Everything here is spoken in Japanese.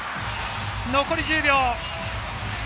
残りは１０秒。